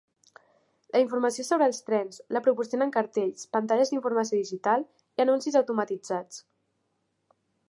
La informació sobre els trens la proporcionen cartells, pantalles d'informació digital i anuncis automatitzats.